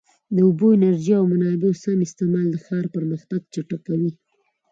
د اوبو، انرژۍ او منابعو سم استعمال د ښار پرمختګ چټکوي.